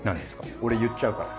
俺言っちゃうから。